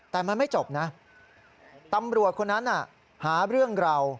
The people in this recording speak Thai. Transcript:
แต่มันไม่จบนะตำรวจคนนั้นหาเรื่องเรา